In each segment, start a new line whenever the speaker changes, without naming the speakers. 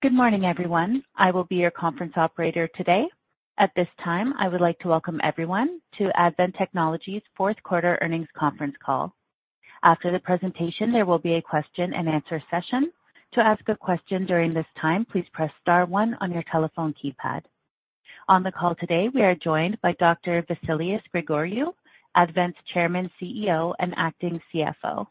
Good morning, everyone. I will be your conference operator today. At this time, I would like to welcome everyone to Advent Technologies' fourth quarter earnings conference call. After the presentation, there will be a question-and-answer session. To ask a question during this time, please press star one on your telephone keypad. On the call today, we are joined by Dr. Vasilis Gregoriou, Advent's Chairman, CEO, and acting CFO.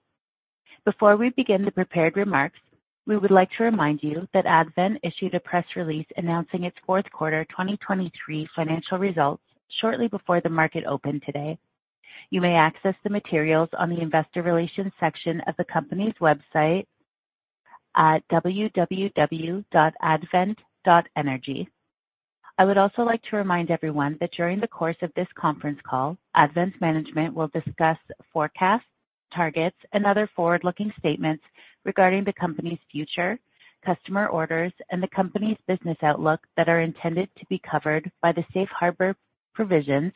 Before we begin the prepared remarks, we would like to remind you that Advent issued a press release announcing its fourth quarter 2023 financial results shortly before the market opened today. You may access the materials on the investor relations section of the company's website at www.advent.energy. I would also like to remind everyone that during the course of this conference call, Advent's management will discuss forecasts, targets, and other forward-looking statements regarding the company's future, customer orders, and the company's business outlook that are intended to be covered by the Safe Harbor Provisions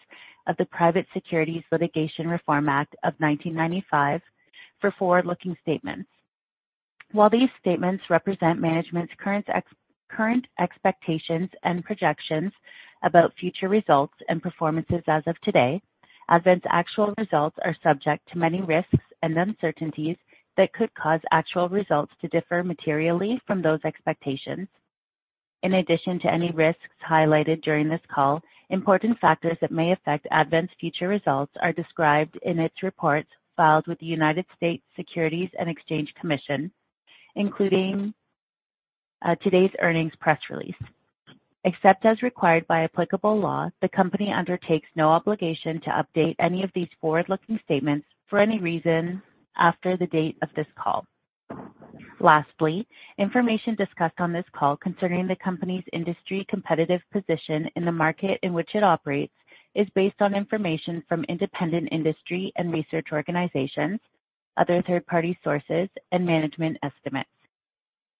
of the Private Securities Litigation Reform Act of nineteen ninety-five for forward-looking statements. While these statements represent management's current expectations and projections about future results and performances as of today, Advent's actual results are subject to many risks and uncertainties that could cause actual results to differ materially from those expectations. In addition to any risks highlighted during this call, important factors that may affect Advent's future results are described in its reports filed with the United States Securities and Exchange Commission, including today's earnings press release. Except as required by applicable law, the company undertakes no obligation to update any of these forward-looking statements for any reason after the date of this call. Lastly, information discussed on this call concerning the company's industry competitive position in the market in which it operates, is based on information from independent industry and research organizations, other third-party sources, and management estimates.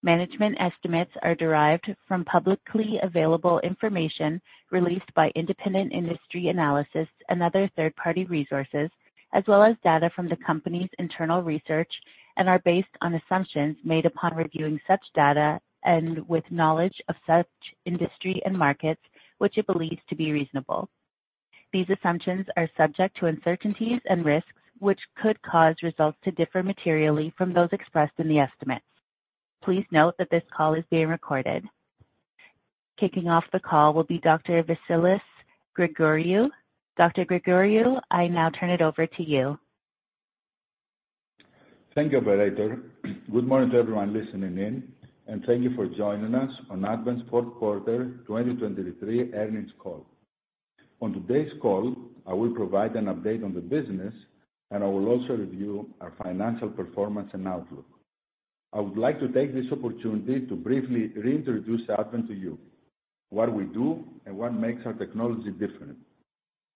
Management estimates are derived from publicly available information released by independent industry analysts and other third-party resources, as well as data from the company's internal research and are based on assumptions made upon reviewing such data and with knowledge of such industry and markets, which it believes to be reasonable. These assumptions are subject to uncertainties and risks, which could cause results to differ materially from those expressed in the estimates. Please note that this call is being recorded. Kicking off the call will be Dr. Vasilis Gregoriou. Dr. Gregoriou, I now turn it over to you.
Thank you, operator. Good morning to everyone listening in, and thank you for joining us on Advent's fourth quarter 2023 earnings call. On today's call, I will provide an update on the business, and I will also review our financial performance and outlook. I would like to take this opportunity to briefly reintroduce Advent to you, what we do and what makes our technology different.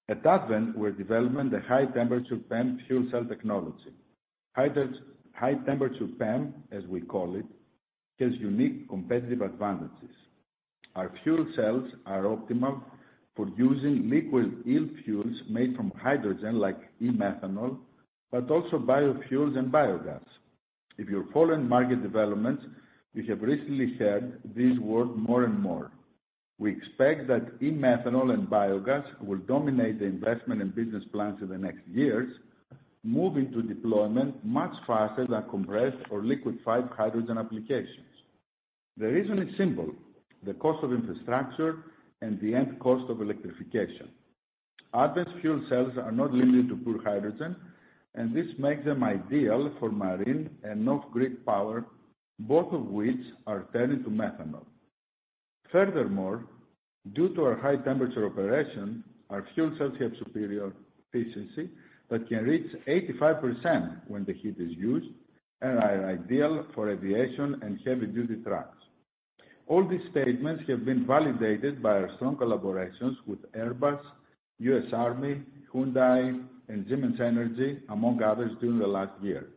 At Advent, we're developing the high-temperature PEM fuel cell technology. High-temperature PEM, as we call it, has unique competitive advantages. Our fuel cells are optimal for using liquid E-fuels made from hydrogen, like E-methanol, but also biofuels and biogas. If you're following market developments, you have recently heard these words more and more. We expect that E-methanol and biogas will dominate the investment and business plans in the next years, moving to deployment much faster than compressed or liquefied hydrogen applications. The reason is simple: the cost of infrastructure and the end cost of electrification. Advent's fuel cells are not limited to pure hydrogen, and this makes them ideal for marine and off-grid power, both of which are turning to methanol. Furthermore, due to our high temperature operation, our fuel cells have superior efficiency that can reach 85% when the heat is used and are ideal for aviation and heavy-duty trucks. All these statements have been validated by our strong collaborations with Airbus, U.S. Army, Hyundai and Siemens Energy, among others, during the last year.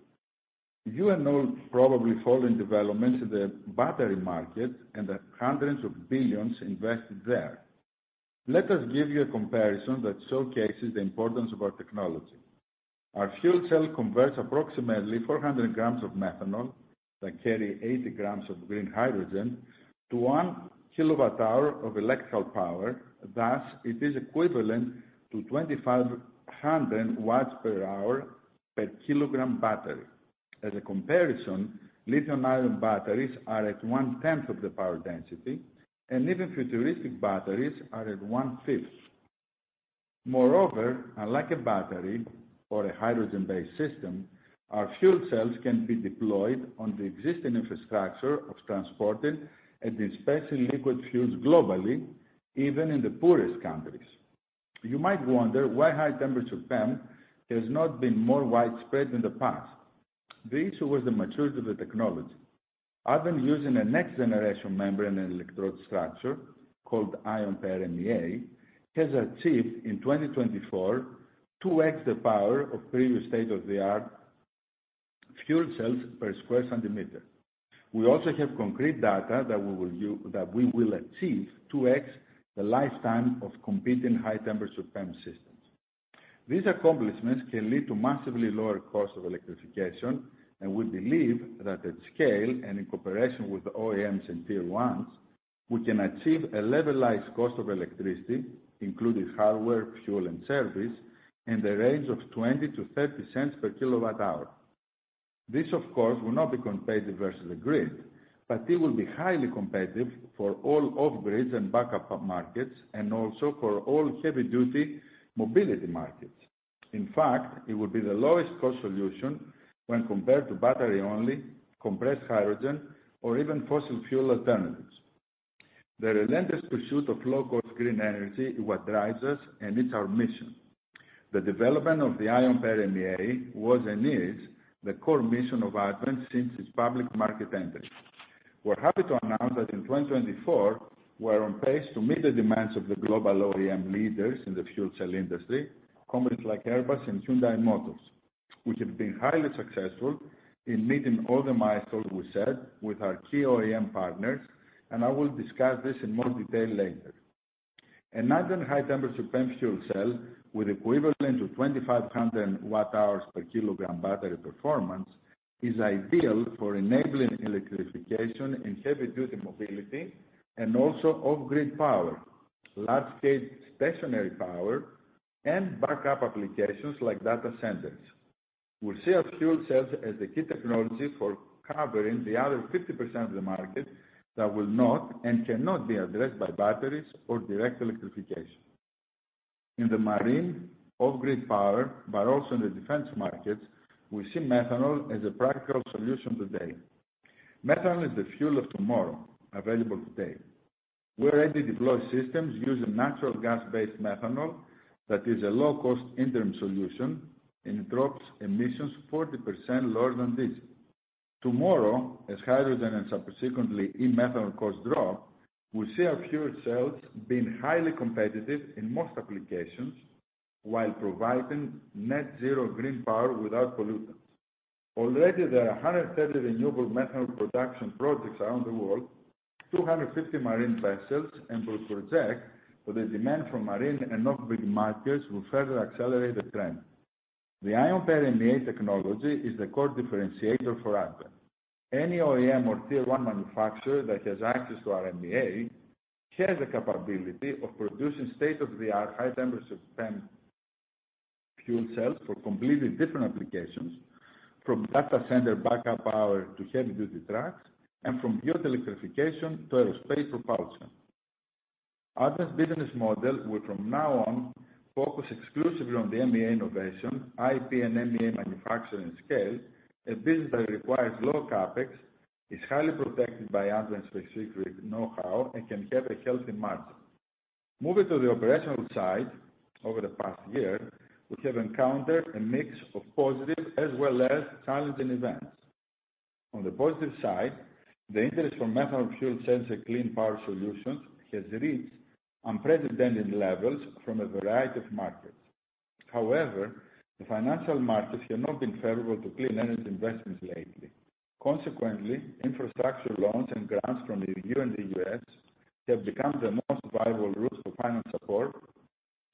You and all probably follow in development in the battery market and the hundreds of billions invested there. Let us give you a comparison that showcases the importance of our technology. Our fuel cell converts approximately four hundred grams of methanol, that carry eighty grams of green hydrogen, to one kilowatt-hour of electrical power, thus, it is equivalent to 2,500 watt-hours per kilogram battery. As a comparison, lithium-ion batteries are at one-tenth of the power density, and even futuristic batteries are at one-fifth. Moreover, unlike a battery or a hydrogen-based system, our fuel cells can be deployed on the existing infrastructure of transported and especially liquid fuels globally, even in the poorest countries. You might wonder why high-temperature PEM has not been more widespread in the past. The issue was the maturity of the technology. Advent using a next-generation membrane and electrode structure, called Ion Pair MEA, has achieved in 2024, 2X the power of previous state-of-the-art fuel cells per square centimeter. We also have concrete data that we will achieve two X the lifetime of competing high-temperature PEM systems. These accomplishments can lead to massively lower cost of electrification, and we believe that at scale and in cooperation with the OEMs and Tier 1s, we can achieve a levelized cost of electricity, including hardware, fuel, and service, in the range of 20-30 cents per kilowatt hour. This, of course, will not be competitive versus the grid, but it will be highly competitive for all off-grids and backup markets, and also for all heavy-duty mobility markets. In fact, it will be the lowest cost solution when compared to battery-only, compressed hydrogen, or even fossil fuel alternatives. The relentless pursuit of low-cost green energy is what drives us, and it's our mission. The development of the Ion Pair MEA was and is the core mission of Advent since its public market entry. We're happy to announce that in 2024, we're on pace to meet the demands of the global OEM leaders in the fuel cell industry, companies like Airbus and Hyundai Motors, which have been highly successful in meeting all the milestones we set with our key OEM partners, and I will discuss this in more detail later. A hydrogen high-temperature PEM fuel cell with equivalent to 2,500 watt-hours per kilogram battery performance is ideal for enabling electrification in heavy-duty mobility and also off-grid power, large-scale stationary power, and backup applications like data centers. We see our fuel cells as the key technology for covering the other 50% of the market that will not and cannot be addressed by batteries or direct electrification. In the marine, off-grid power, but also in the defense markets, we see methanol as a practical solution today. Methanol is the fuel of tomorrow, available today. We already deploy systems using natural gas-based methanol that is a low-cost interim solution, and it drops emissions 40% lower than diesel. Tomorrow, as hydrogen and subsequently E-methanol costs drop, we see our fuel cells being highly competitive in most applications while providing net zero green power without pollutants. Already, there are 130 renewable methanol production projects around the world, 250 marine vessels, and we project that the demand for marine and off-grid markets will further accelerate the trend. The Ion Pair MEA technology is the core differentiator for Advent. Any OEM or Tier 1 manufacturer that has access to our MEA has the capability of producing state-of-the-art high-temperature PEM fuel cells for completely different applications, from data center backup power to heavy-duty trucks, and from pure electrification to aerospace propulsion. Advent's business model will from now on focus exclusively on the MEA innovation, IP, and MEA manufacturing scale, a business that requires low CapEx, is highly protected by Advent's specific know-how, and can have a healthy margin. Moving to the operational side, over the past year, we have encountered a mix of positive as well as challenging events. On the positive side, the interest for methanol fuel cells and clean power solutions has reached unprecedented levels from a variety of markets. However, the financial markets have not been favorable to clean energy investments lately. Consequently, infrastructure loans and grants from the EU and the US have become the most viable route for finance support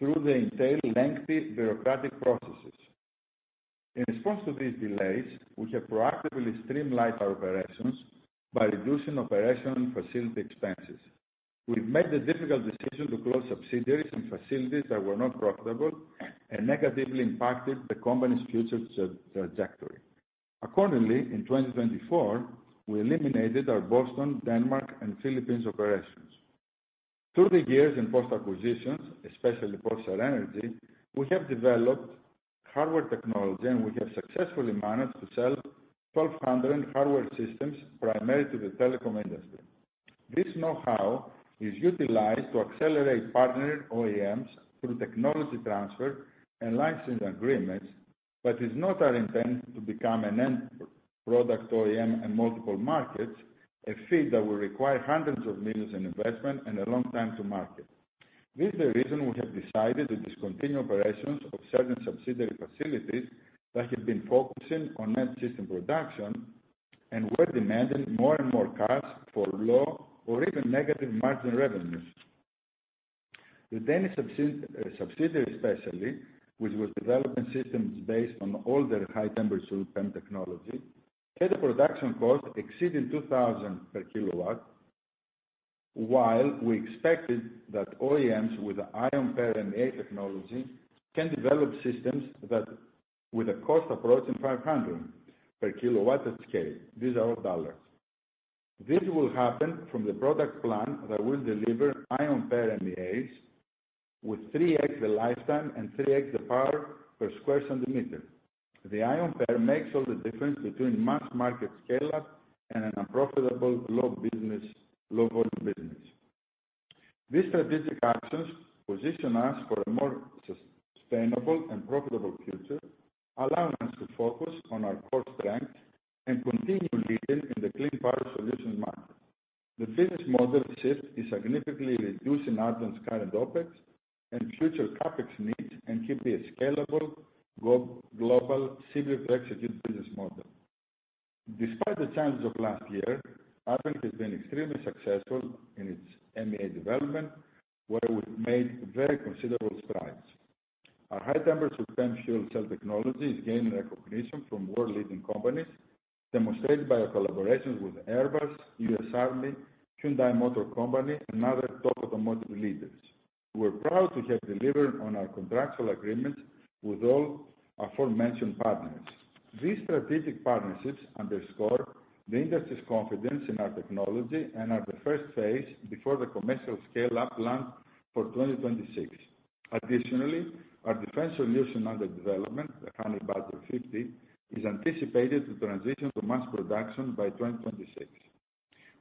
through the entailed lengthy bureaucratic processes. In response to these delays, we have proactively streamlined our operations by reducing operational facility expenses. We've made the difficult decision to close subsidiaries and facilities that were not profitable and negatively impacted the company's future trajectory. Accordingly, in 2024, we eliminated our Boston, Denmark, and Philippines operations. Through the years in post-acquisitions, especially SerEnergy, we have developed hardware technology, and we have successfully managed to sell 1,200 hardware systems, primarily to the telecom industry. This know-how is utilized to accelerate partner OEMs through technology transfer and licensing agreements, but is not our intent to become an end product OEM in multiple markets, a feat that will require hundreds of millions in investment and a long time to market. This is the reason we have decided to discontinue operations of certain subsidiary facilities that have been focusing on end system production and were demanding more and more costs for low or even negative margin revenues. The Danish subsidiary, especially, which was developing systems based on older high-temperature PEM technology, had a production cost exceeding $2,000 per kilowatt, while we expected that OEMs with the Ion Pair MEA technology can develop systems that with a cost approaching $500 per kilowatt at scale. These are all dollars. This will happen from the product plan that will deliver Ion Pair MEAs with 3X the lifetime and 3X the power per square centimeter. The Ion Pair makes all the difference between mass market scale-up and an unprofitable, low business, low-volume business. These strategic actions position us for a more sustainable and profitable future, allowing us to focus on our core strengths and continue leading in the clean power solution market. The business model shift is significantly reducing Advent's current OpEx and future CapEx needs, and keep a scalable global, simpler to execute business model. Despite the challenges of last year, Advent has been extremely successful in its MEA development, where we've made very considerable strides. Our high-temperature PEM fuel cell technology is gaining recognition from world-leading companies, demonstrated by our collaborations with Airbus, US Army, Hyundai Motor Company, and other top automotive leaders. We're proud to have delivered on our contractual agreements with all aforementioned partners. These strategic partnerships underscore the industry's confidence in our technology and are the first phase before the commercial scale-up plan for 2026. Additionally, our defense solution under development, the Honey Badger 50, is anticipated to transition to mass production by 2026.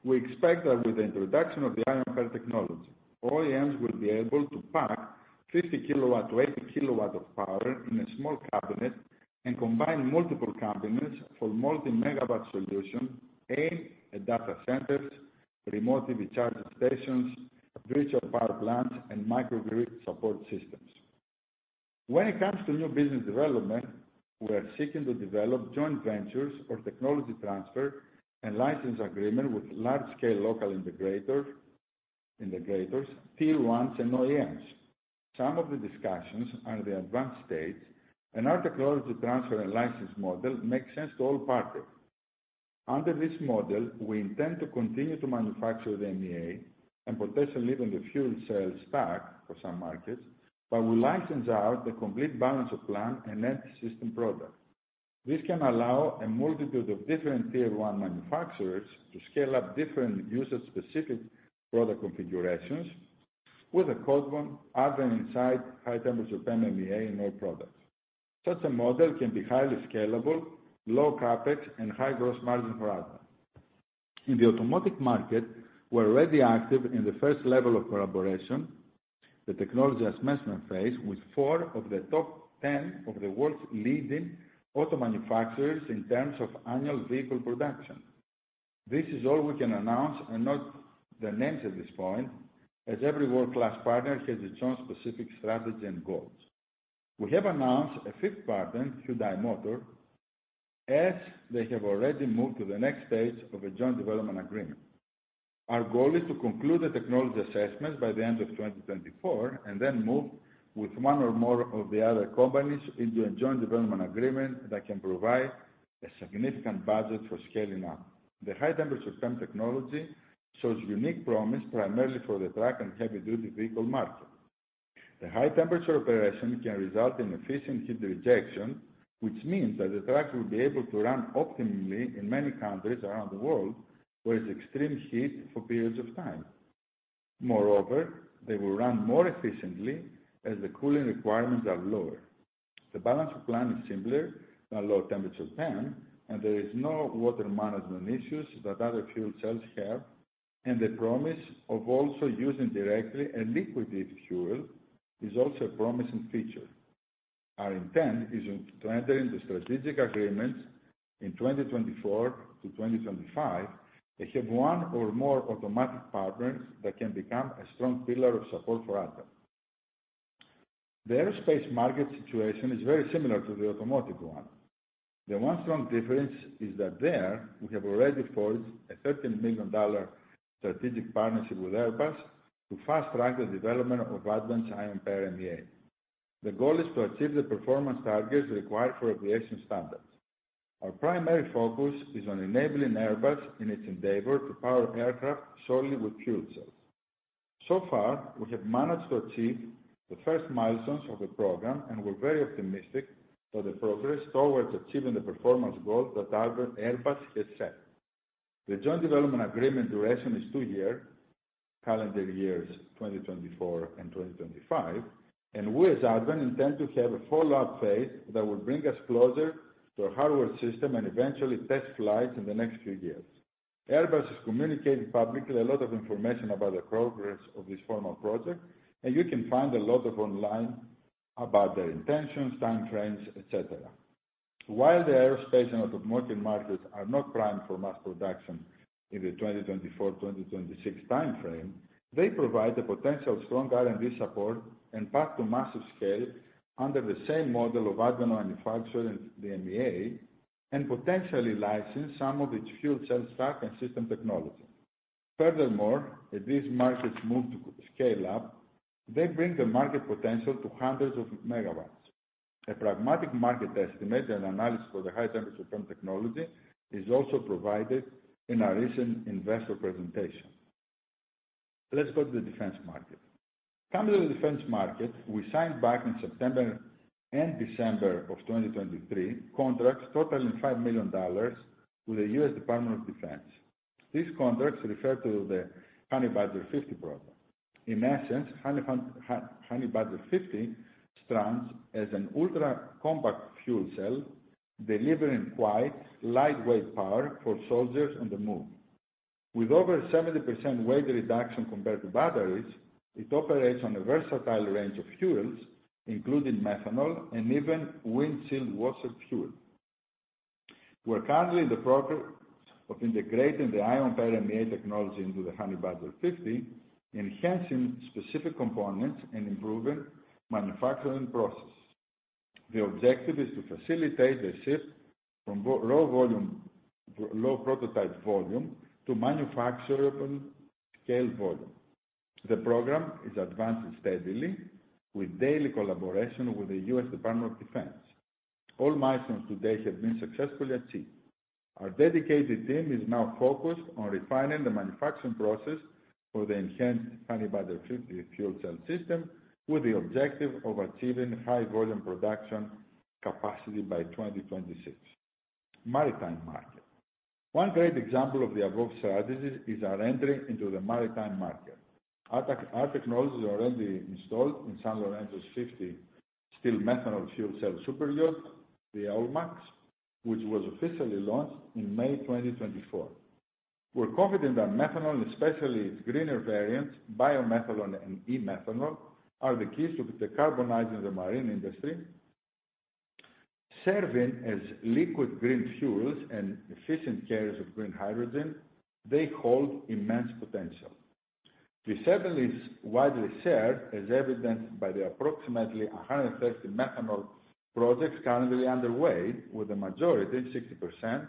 We expect that with the introduction of the Ion Pair technology, OEMs will be able to pack 50 kilowatt to 80 kilowatt of power in a small cabinet and combine multiple cabinets for multi-megawatt solution, aimed at data centers, remote recharge stations, virtual power plants, and microgrid support systems. When it comes to new business development, we are seeking to develop joint ventures or technology transfer and license agreement with large-scale local integrators, Tier 1s and OEMs. Some of the discussions are in the advanced stage, and our technology transfer and license model makes sense to all parties. Under this model, we intend to continue to manufacture the MEA, and potentially even the fuel cell stack for some markets, but we license out the complete balance of plant and end system product. This can allow a multitude of different Tier 1 manufacturers to scale up different usage-specific product configurations with a core Advent high-temperature PEM MEA in all products. Such a model can be highly scalable, low CapEx, and high gross margin for Advent. In the automotive market, we're already active in the first level of collaboration, the technology assessment phase, with four of the top 10 of the world's leading auto manufacturers in terms of annual vehicle production. This is all we can announce, and not the names at this point, as every world-class partner has its own specific strategy and goals. We have announced a fifth partner, Hyundai Motor, as they have already moved to the next stage of a joint development agreement. Our goal is to conclude the technology assessment by the end of 2024, and then move with one or more of the other companies into a joint development agreement that can provide a significant budget for scaling up. The high temperature PEM technology shows unique promise, primarily for the truck and heavy-duty vehicle market. The high temperature operation can result in efficient heat rejection, which means that the truck will be able to run optimally in many countries around the world, where it's extreme heat for periods of time. Moreover, they will run more efficiently as the cooling requirements are lower. The balance of plant is simpler than low temperature PEM, and there is no water management issues that other fuel cells have, and the promise of also using directly a liquid fuel is also a promising feature. Our intent is to enter into strategic agreements in 2024 to 2025, and have one or more automotive partners that can become a strong pillar of support for us. The aerospace market situation is very similar to the automotive one. The one strong difference is that there, we have already forged a $13 million strategic partnership with Airbus to fast-track the development of advanced Ion Pair MEA. The goal is to achieve the performance targets required for aviation standards. Our primary focus is on enabling Airbus in its endeavor to power aircraft solely with fuel cells. So far, we have managed to achieve the first milestones of the program, and we're very optimistic for the progress towards achieving the performance goals that our Airbus has set. The joint development agreement duration is two year, calendar years 2024 and 2025, and we, as Advent, intend to have a follow-up phase that will bring us closer to a hardware system and eventually test flights in the next few years. Airbus has communicated publicly a lot of information about the progress of this formal project, and you can find a lot of online about their intentions, timeframes, et cetera. While the aerospace and automotive markets are not primed for mass production in the 2024-2026 time frame, they provide a potential strong R&D support and path to massive scale under the same model of Advent manufacture in the MEA, and potentially license some of its fuel cell stack and system technology. Furthermore, as these markets move to scale up, they bring the market potential to hundreds of megawatts. A pragmatic market estimate and analysis for the high temperature PEM technology is also provided in our recent investor presentation. Let's go to the defense market. Coming to the defense market, we signed back in September and December of 2023, contracts totaling $5 million with the US Department of Defense. These contracts refer to the Honey Badger 50 program. In essence, Honey Badger 50 stands as an ultra compact fuel cell, delivering quiet, lightweight power for soldiers on the move. With over 70% weight reduction compared to batteries, it operates on a versatile range of fuels, including methanol and even windshield washer fuel. We're currently in the process of integrating the Ion Pair MEA technology into the Honey Badger 50, enhancing specific components and improving manufacturing process. The objective is to facilitate the shift from low volume, low prototype volume to manufacturable scale volume. The program is advancing steadily with daily collaboration with the US Department of Defense. All milestones to date have been successfully achieved. Our dedicated team is now focused on refining the manufacturing process for the enhanced Honey Badger 50 fuel cell system, with the objective of achieving high volume production capacity by 2026. Maritime market. One great example of the above strategies is our entry into the maritime market. Our technologies are already installed in Sanlorenzo's 50Steel methanol fuel cell superyacht, the Almax, which was officially launched in May 2024. We're confident that methanol, especially its greener variants, biomethanol and e-methanol, are the keys to decarbonizing the marine industry. Serving as liquid green fuels and efficient carriers of green hydrogen, they hold immense potential. This certainly is widely shared, as evidenced by the approximately 100 methanol projects currently underway, with the majority, 60%,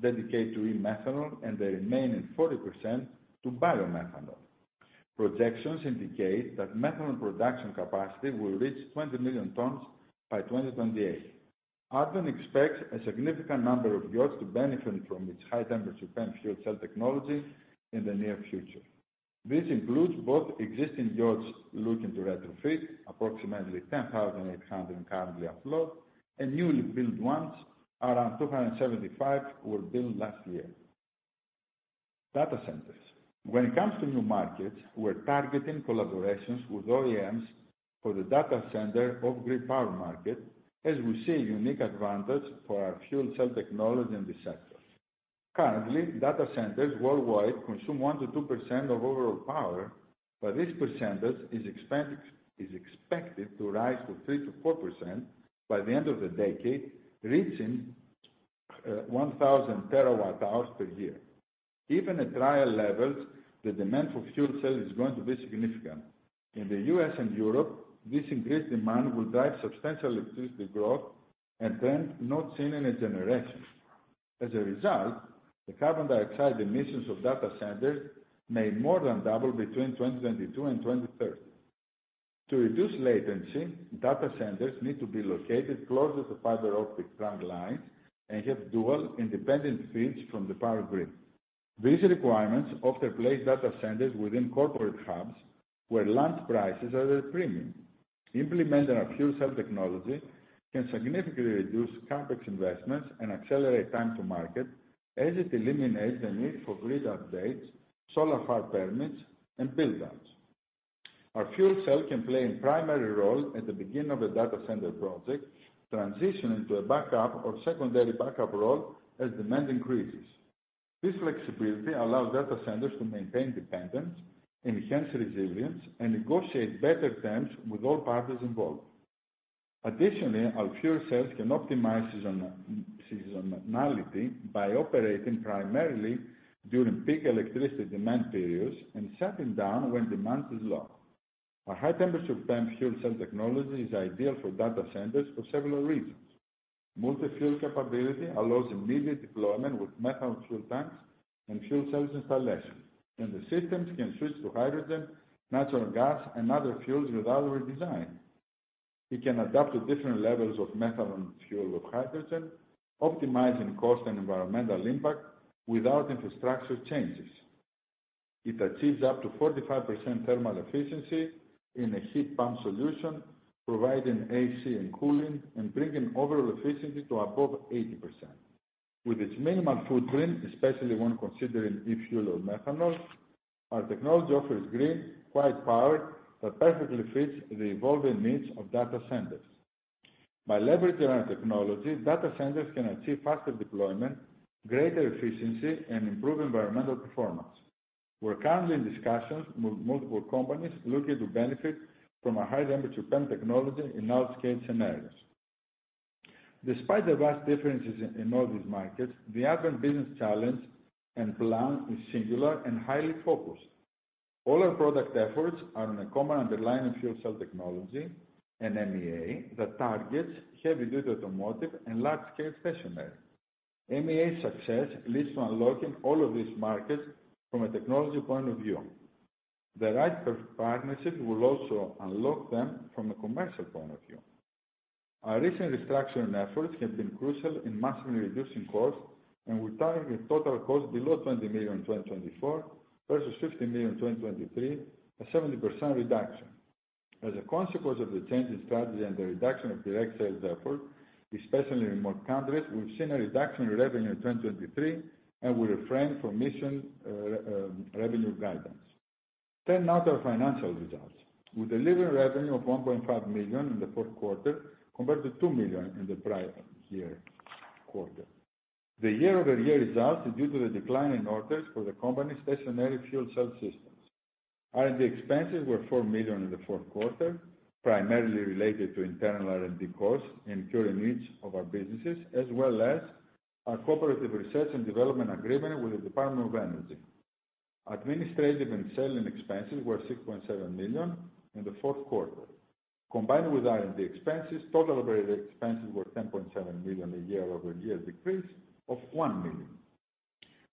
dedicated to e-methanol and the remaining 40% to biomethanol. Projections indicate that methanol production capacity will reach 20 million tons by 2028. Advent expects a significant number of yachts to benefit from its high-temperature PEM fuel cell technology in the near future. This includes both existing yachts looking to retrofit, approximately 10,800 currently afloat, and newly built ones, around 275 were built last year. Data centers. When it comes to new markets, we're targeting collaborations with OEMs for the data center off-grid power market, as we see a unique advantage for our fuel cell technology in this sector. Currently, data centers worldwide consume 1%-2% of overall power, but this percentage is expected to rise to 3%-4% by the end of the decade, reaching 1,000 terawatt hours per year. Even at trial levels, the demand for fuel cell is going to be significant. In the U.S. and Europe, this increased demand will drive substantial electricity growth and trend not seen in a generation. As a result, the carbon dioxide emissions of data centers may more than double between 2022 and 2030. To reduce latency, data centers need to be located closer to fiber optic trunk lines and have dual independent feeds from the power grid. These requirements often place data centers within corporate hubs, where land prices are at a premium. Implementing our fuel cell technology can significantly reduce CapEx investments and accelerate time to market, as it eliminates the need for grid updates, solar farm permits, and build-outs. Our fuel cell can play a primary role at the beginning of a data center project, transitioning to a backup or secondary backup role as demand increases. This flexibility allows data centers to maintain independence, enhance resilience, and negotiate better terms with all parties involved. Additionally, our fuel cells can optimize seasonality by operating primarily during peak electricity demand periods and shutting down when demand is low. A high temperature PEM fuel cell technology is ideal for data centers for several reasons. Multi-fuel capability allows immediate deployment with methanol fuel tanks and fuel cells installation, and the systems can switch to hydrogen, natural gas, and other fuels without redesign. It can adapt to different levels of methanol fuel with hydrogen, optimizing cost and environmental impact without infrastructure changes. It achieves up to 45% thermal efficiency in a heat pump solution, providing AC and cooling, and bringing overall efficiency to above 80%. With its minimal footprint, especially when considering e-fuel or methanol, our technology offers green, quiet power that perfectly fits the evolving needs of data centers. By leveraging our technology, data centers can achieve faster deployment, greater efficiency, and improve environmental performance. We're currently in discussions with multiple companies looking to benefit from a high-temperature PEM technology in large-scale scenarios. Despite the vast differences in all these markets, the Advent business challenge and plan is singular and highly focused. All our product efforts are on a common underlying fuel cell technology, an MEA, that targets heavy-duty automotive and large-scale stationary. MEA success leads to unlocking all of these markets from a technology point of view. The right partnerships will also unlock them from a commercial point of view. Our recent restructuring efforts have been crucial in massively reducing costs, and we're targeting a total cost below $20 million in 2024, versus $50 million in 2023, a 70% reduction. As a consequence of the change in strategy and the reduction of direct sales effort, especially in more countries, we've seen a reduction in revenue in 2023, and we refrain from issuing revenue guidance. Turn now to our financial results. We delivered revenue of $1.5 million in the fourth quarter, compared to $2 million in the prior year quarter. The year-over-year results are due to the decline in orders for the company's stationary fuel cell systems. R&D expenses were $4 million in the fourth quarter, primarily related to internal R&D costs and current needs of our businesses, as well as our cooperative research and development agreement with the Department of Energy. Administrative and selling expenses were $6.7 million in the fourth quarter. Combined with R&D expenses, total operating expenses were $10.7 million, a year-over-year decrease of $1 million.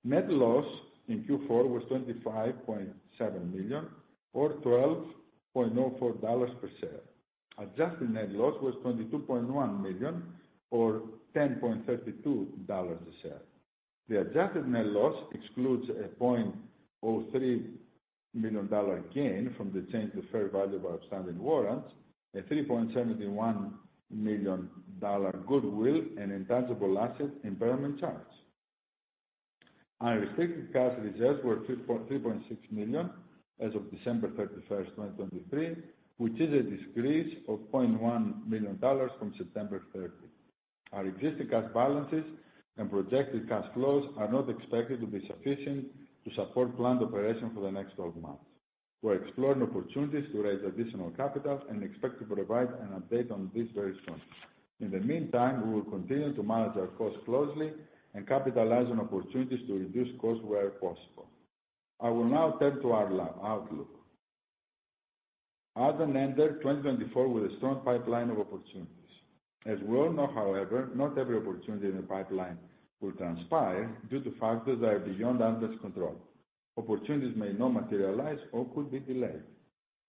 Net loss in Q4 was $25.7 million, or $12.04 per share. Adjusted net loss was $22.1 million, or $10.32 per share. The adjusted net loss excludes a $0.03 million gain from the change in fair value of outstanding warrants, a $3.71 million goodwill and intangible asset impairment charge. Unrestricted cash reserves were $3.6 million as of December 31, 2023, which is a decrease of $0.1 million from September 30. Our existing cash balances and projected cash flows are not expected to be sufficient to support planned operation for the next twelve months. We're exploring opportunities to raise additional capital and expect to provide an update on this very soon. In the meantime, we will continue to manage our costs closely and capitalize on opportunities to reduce costs where possible. I will now turn to our outlook. Advent entered 2024 with a strong pipeline of opportunities. As we all know, however, not every opportunity in the pipeline will transpire due to factors that are beyond Advent's control. Opportunities may not materialize or could be delayed.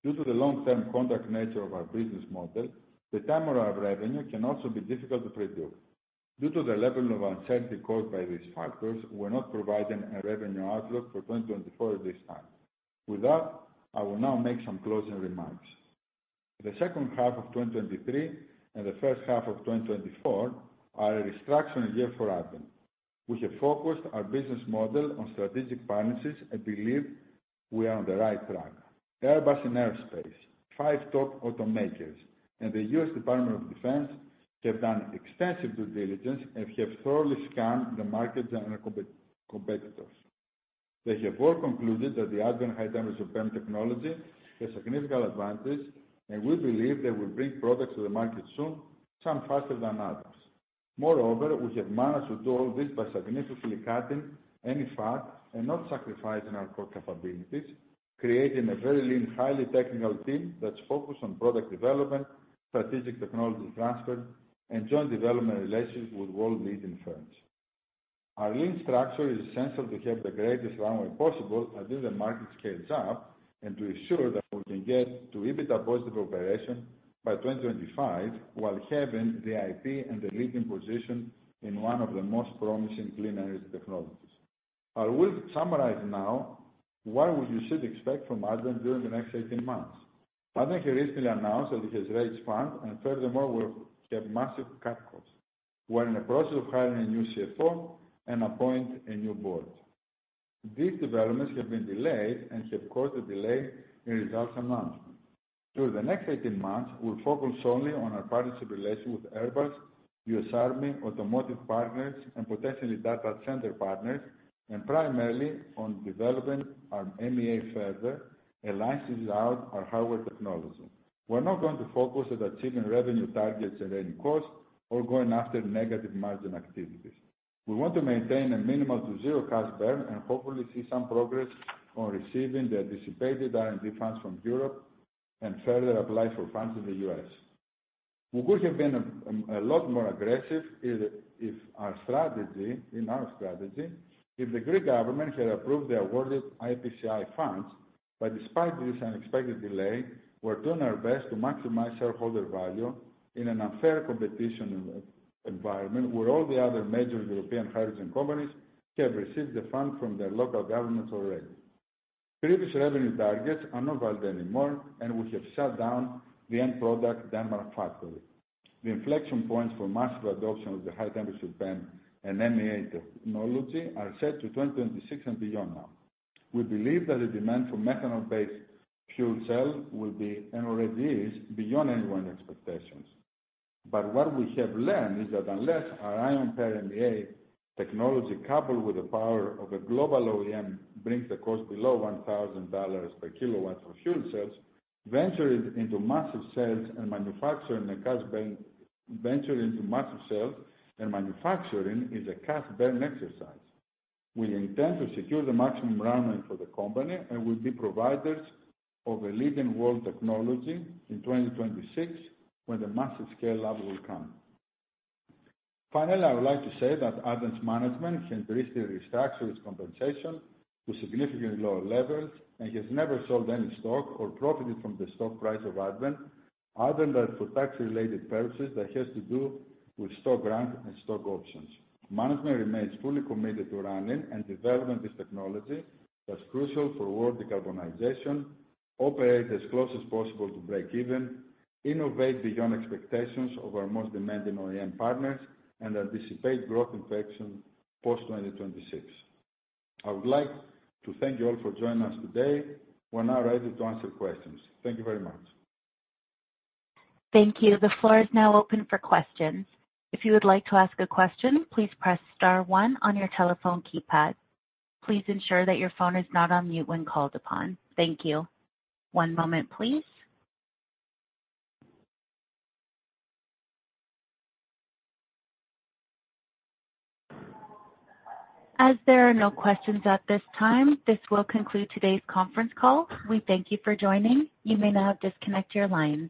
Due to the long-term contract nature of our business model, the timing of revenue can also be difficult to predict. Due to the level of uncertainty caused by these factors, we're not providing a revenue outlook for 2024 at this time. With that, I will now make some closing remarks. The second half of 2023 and the first half of 2024 are a restructuring year for Advent. We have focused our business model on strategic partnerships and believe we are on the right track. Airbus and Aerospace, five top automakers, and the U.S. Department of Defense have done extensive due diligence and have thoroughly scanned the market and competitors. They have all concluded that the Advent high-temperature PEM technology has significant advantages, and we believe they will bring products to the market soon, some faster than others. Moreover, we have managed to do all this by significantly cutting any fat and not sacrificing our core capabilities, creating a very lean, highly technical team that's focused on product development, strategic technology transfer, and joint development relationships with world-leading firms. Our lean structure is essential to have the greatest runway possible until the market scales up, and to ensure that we can get to EBITDA positive operation by 2025, while having the IP and the leading position in one of the most promising clean energy technologies. I will summarize now what you should expect from Advent during the next eighteen months. Advent has recently announced that it has raised funds, and furthermore, we have massively cut costs. We're in the process of hiring a new CFO and appointing a new board. These developments have been delayed and have caused a delay in results announcement. Through the next eighteen months, we'll focus solely on our partnership relationship with Airbus, US Army, automotive partners, and potentially data center partners, and primarily on developing our MEA further and licensing out our hardware technology. We're not going to focus on achieving revenue targets at any cost or going after negative margin activities. We want to maintain a minimal to zero cash burn and hopefully see some progress on receiving the anticipated R&D funds from Europe and further apply for funds in the US. We could have been a lot more aggressive if our strategy if the Greek government had approved the awarded IPCEI funds, but despite this unexpected delay, we're doing our best to maximize shareholder value in an unfair competition environment, where all the other major European hydrogen companies have received the fund from their local governments already. Previous revenue targets are not valid anymore, and we have shut down the end product Denmark factory. The inflection points for massive adoption of the high temperature PEM and MEA technology are set to 2026 and beyond now. We believe that the demand for methanol-based fuel cells will be, and already is, beyond anyone's expectations. But what we have learned is that unless our Ion Pair MEA technology, coupled with the power of a global OEM, brings the cost below $1,000 per kilowatt for fuel cells, venturing into massive sales and manufacturing and cash burn... Venturing into massive sales and manufacturing is a cash burn exercise. We intend to secure the maximum runway for the company, and we'll be providers of a leading world technology in 2026, when the massive scale-up will come. Finally, I would like to say that Advent's management has recently restructured its compensation to significantly lower levels and has never sold any stock or profited from the stock price of Advent, other than for tax-related purposes that has to do with stock grant and stock options. Management remains fully committed to running and developing this technology that's crucial for world decarbonization, operate as close as possible to breakeven, innovate beyond expectations of our most demanding OEM partners, and anticipate growth inflection post-2026. I would like to thank you all for joining us today. We're now ready to answer questions. Thank you very much.
Thank you. The floor is now open for questions. If you would like to ask a question, please press star one on your telephone keypad. Please ensure that your phone is not on mute when called upon. Thank you. One moment, please. As there are no questions at this time, this will conclude today's conference call. We thank you for joining. You may now disconnect your lines.